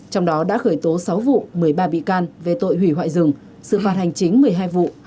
trong đó đã khởi tố sáu vụ một mươi ba bị can về tội hủy hoại rừng xử phạt hành chính một mươi hai vụ